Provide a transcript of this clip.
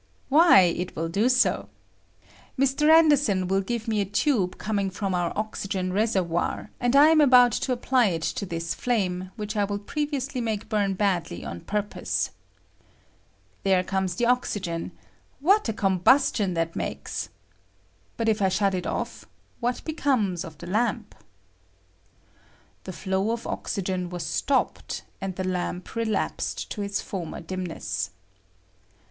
"Why, it will do so. Mr. Anderson will give me a tube coming from our oxygen reservoir, and I am about to apply it to this flame, which I will previously make bum badly on purpose. There comes the oxygen: what a combustion that makes ! But if I shut it oft^ what becomes of the lamp ? [The flow of oxygen was stopped, and the lamp relapsed to its former dimness.